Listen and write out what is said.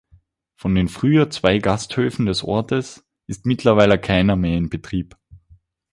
Von den früher zwei Gasthöfen des Ortes ist mittlerweile keiner mehr in Betrieb.